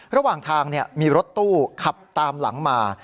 ระหว่างทางมีรถตู้ขับตามหลังมา